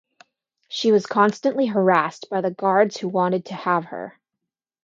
She was constantly harassed by the guards who wanted to have her.